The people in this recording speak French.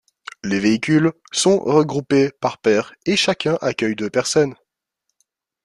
Les véhicules sont regroupés par paire et chacun accueille deux personnes.